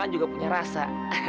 dan juga punya rasa